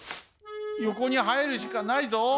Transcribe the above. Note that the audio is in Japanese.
よこにはえるしかないぞ。